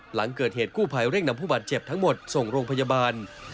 หลังเกิดเหตุกู้ภัยเร่งนำผู้บาดเจ็บทั้งหมดส่งโรงพยาบาล